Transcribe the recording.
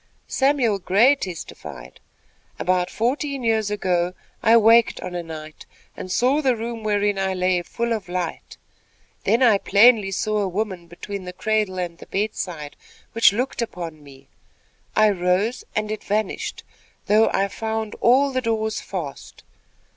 Samuel Gray testified: "About fourteen years ago, I waked on a night, and saw the room wherein I lay full of light. Then I plainly saw a woman, between the cradle and the bedside, which looked upon me. I rose, and it vanished, though I found all the doors fast.